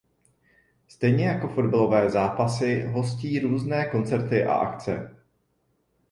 Stejně jako fotbalové zápasy hostí různé koncerty a akce.